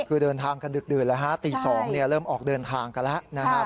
คือเดินทางกันดึกแล้วฮะตี๒เริ่มออกเดินทางกันแล้ว